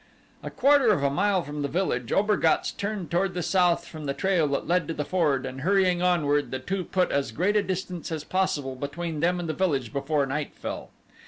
A quarter of a mile from the village, Obergatz turned toward the south from the trail that led to the ford and hurrying onward the two put as great a distance as possible between them and the village before night fell.